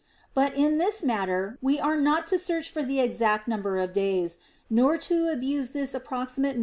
But in this matter we are not to search for the exact number of days, nor to abuse this approximate THE ROMAN QUESTIONS.